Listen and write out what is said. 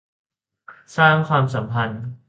สร้างความสัมพันธ์